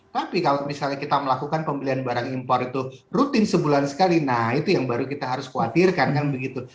tapi kalau misalnya kita melakukan pembelian barang impor itu rutin sebulan sekali nah itu yang baru kita harus khawatirkan kan begitu